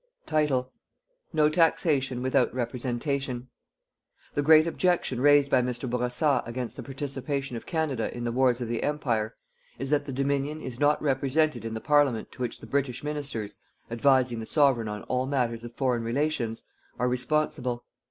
NO TAXATION WITHOUT REPRESENTATION. The great objection raised by Mr. Bourassa against the participation of Canada in the wars of the Empire is that the Dominion is not represented in the Parliament to which the British ministers, advising the Sovereign on all matters of foreign relations, are responsible.